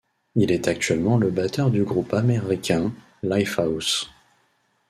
Il est actuellement le batteur du groupe américain Lifehouse.